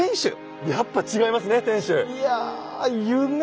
やっぱ違いますね天主。